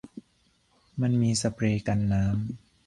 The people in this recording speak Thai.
มันมีสเปรย์กันน้ำ